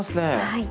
はい。